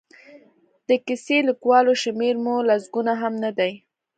د کیسه لیکوالو شمېر مو لسګونه هم نه دی.